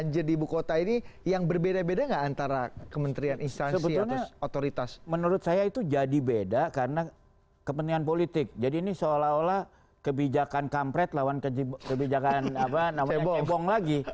jadi ini seolah olah kebijakan kampret lawan kebijakan kebong lagi